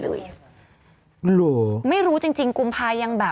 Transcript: หรือไม่รู้จริงกุมภายังแบบ